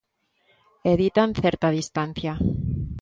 E ditan certa distancia.